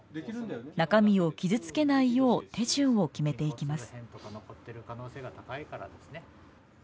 中身を傷つけないよう手順を決めていきます。